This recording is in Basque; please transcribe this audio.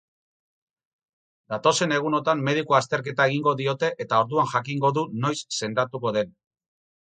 Datozen egunotan mediku-azterketa egingo diote eta orduan jakingo du noiz sendatuko den.